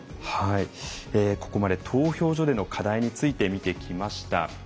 ここまで投票所での課題について見てきました。